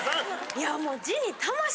いやもう。